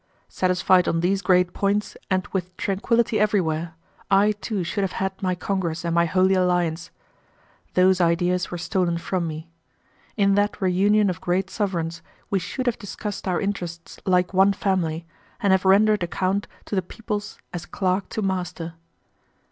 Satisfied on these great points and with tranquility everywhere, I too should have had my Congress and my Holy Alliance. Those ideas were stolen from me. In that reunion of great sovereigns we should have discussed our interests like one family, and have rendered account to the peoples as clerk to master.